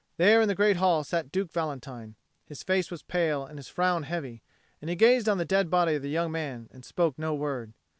There in the great hall sat Duke Valentine: his face was pale and his frown heavy, and he gazed on the dead body of the young man and spoke no word.